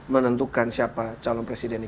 menentukan siapa calon presidennya